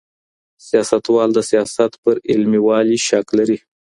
سیاستوال د سیاست پر علمي والي شک لري.